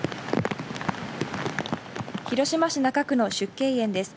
広島市中区の縮景園です。